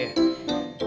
tidak ada yang bisa diberi